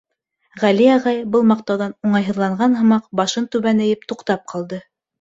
Ғәли ағай, был маҡтауҙан уңайһыҙланған һымаҡ, башын түбән эйеп, туҡтап ҡалды.